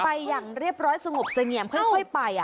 อย่างเรียบร้อยสงบเสงี่ยมค่อยไป